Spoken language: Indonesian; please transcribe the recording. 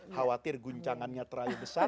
khawatir guncangannya terlalu besar